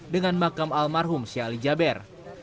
dengan makam almarhum syahli jabir